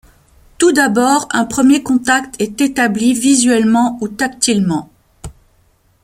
Tout d’abord, un premier contact est établi visuellement ou tactilement.